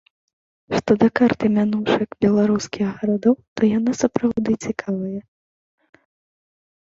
Што да карты мянушак беларускіх гарадоў, то яна сапраўды цікавая.